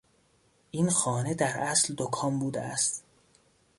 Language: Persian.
این خانه در اصل دکان بوده است.